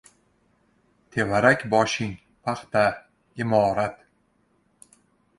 Tevarak-boshing paxta, imorat...